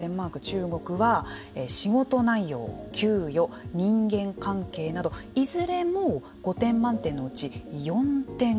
アメリカ、フランス、デンマーク中国は、仕事内容、給与人間関係など、いずれも５点満点のうち４点ぐらい。